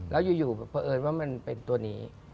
แล้วอยู่เผอินว่ามันเป็นตัวนี้